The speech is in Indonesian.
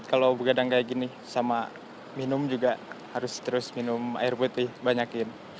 kalau begadang kayak gini sama minum juga harus terus minum air putih banyakin